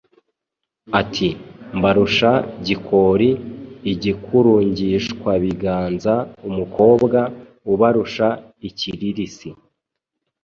Ati: “Mbarusha Gikori igikurungishwabiganza umukobwa ubarusha ikiririsi